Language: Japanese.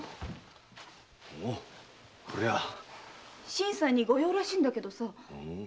新さんにご用らしいんだけどさ。